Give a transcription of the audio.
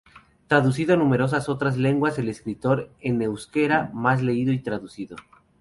Traducido a numerosas otras lenguas, es el escritor en euskera más leído y traducido.